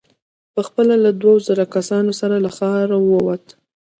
په خپله له دوو زرو کسانو سره له ښاره ووت.